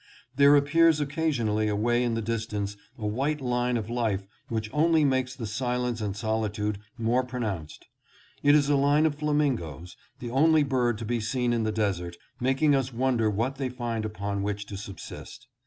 There appears occasionally away in the dis tance a white line of life which only makes the silence and solitude more pronounced. It is a line of flamin goes, the only bird to be seen in the desert, making us wonder what they find upon which to subsist.